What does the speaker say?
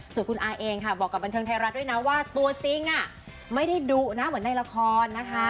ส่วนคุณอาเองค่ะบอกกับบันเทิงไทยรัฐด้วยนะว่าตัวจริงไม่ได้ดุนะเหมือนในละครนะคะ